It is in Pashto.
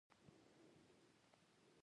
د ژوند يو اساسي اصول په ګوته شوی.